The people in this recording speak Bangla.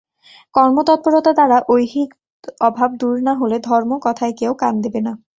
কর্মতৎপরতা দ্বারা ঐহিক অভাব দূর না হলে ধর্ম-কথায় কেউ কান দেবে না।